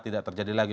tidak terjadi lagi